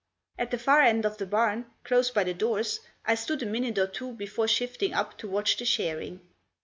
At the far end of the barn, close by the doors, I stood a minute or two before shifting up to watch the shearing.